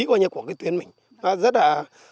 của cái tuyến mình rất là